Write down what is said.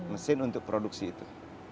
mesin untuk produksi itu